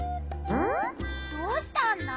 どうしたんだ？